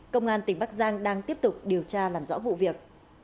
công an tỉnh bắc giang đang tiếp tục điều tra làm rõ vụ việc